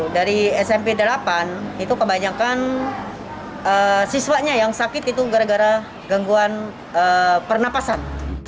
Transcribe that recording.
dari smp delapan itu kebanyakan siswanya yang sakit itu gara gara gangguan pernapasan